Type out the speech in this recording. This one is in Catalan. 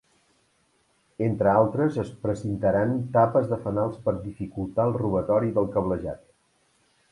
Entre altres es precintaran tapes de fanals per dificultar el robatori del cablejat.